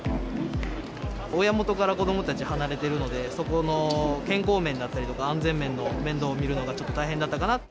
親元から子どもたち離れてるので、そこの健康面だったりとか、安全面の面倒を見るのがちょっと大変だったかな。